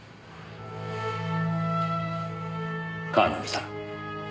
川南さん。